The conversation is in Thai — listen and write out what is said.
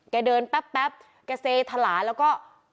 เขาเดินแป๊บเขาเซทะลาแล้วก็